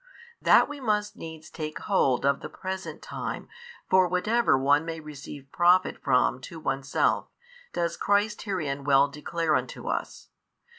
That we must needs take hold of the present time for whatever one may receive profit from to oneself, does Christ |580 herein well declare unto us.